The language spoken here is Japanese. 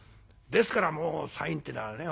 ですからもうサインってのはね